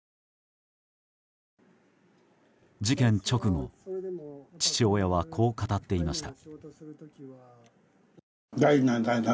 事件直後父親は、こう語っていました。